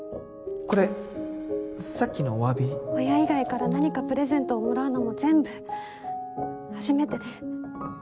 これさっきのおわび親以外から何かプレゼントをもらうのも全部初めてで。